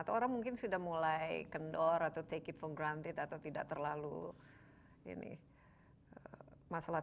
atau orang mungkin sudah mulai kendor atau take it for granted atau tidak terlalu ini masalah